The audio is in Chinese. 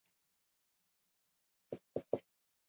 黑鳞远轴鳞毛蕨为鳞毛蕨科鳞毛蕨属下的一个种。